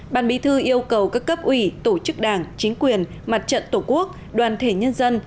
ban bí thư yêu cầu các cấp ủy tổ chức đảng chính quyền mặt trận tổ quốc đoàn thể nhân dân